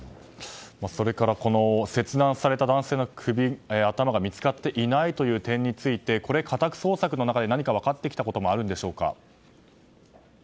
それから切断された男性の頭が見つかっていない点について家宅捜索の中で何か分かってきたこともありますか？